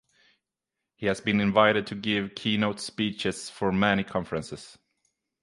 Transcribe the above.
He has been invited to give keynote speeches for many conferences.